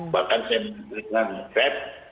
bahkan saya bilang dengan feb